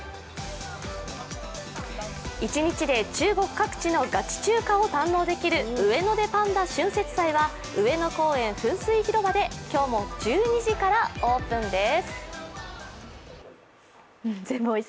一日で中国各地のガチ中華を堪能できるウエノデ．パンダ春節祭は上野公園噴水広場で今日も１２時からオープンです。